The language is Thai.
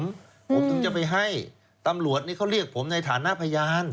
ผมถึงจะไปให้ตำรวจนี่เขาเรียกผมในฐานะพยาน